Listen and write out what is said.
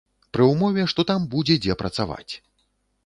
Пры ўмове, што там будзе дзе працаваць.